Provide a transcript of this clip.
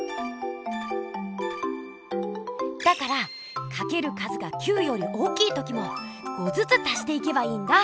だからかける数が９より大きい時も５ずつ足していけばいいんだ！